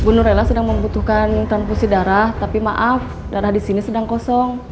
ibu nurlela sedang membutuhkan transfusi darah tapi maaf darah disini sedang kosong